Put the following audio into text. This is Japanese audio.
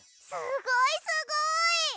すごいすごい！